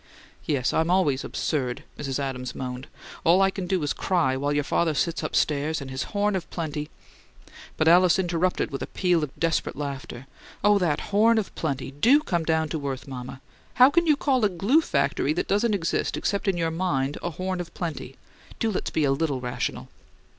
"Yes, I'm always 'absurd,'" Mrs. Adams moaned. "All I can do is cry, while your father sits upstairs, and his horn of plenty " But Alice interrupted with a peal of desperate laughter. "Oh, that 'horn of plenty!' Do come down to earth, mama. How can you call a GLUE factory, that doesn't exist except in your mind, a 'horn of plenty'? Do let's be a little rational!"